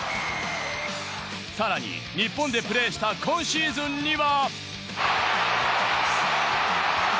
さらに日本でプレーした今シーズンには。